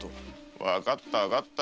わかったわかった。